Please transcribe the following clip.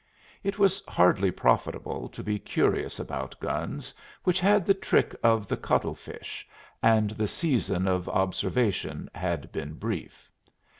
It was hardly profitable to be curious about guns which had the trick of the cuttle fish, and the season of observation had been brief.